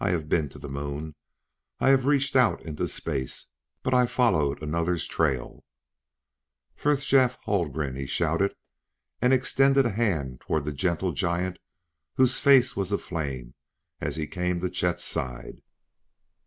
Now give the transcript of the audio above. I have been to the Moon; I have reached out into space but I followed another's trail. "Frithjof Haldgren!" he shouted, and extended a hand toward the gentle giant whose face was aflame as he came to Chet's side.